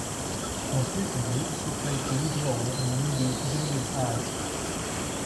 Most recently she played the lead role in the movie "Julia's Eyes".